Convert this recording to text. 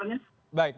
jangan sih senalarnya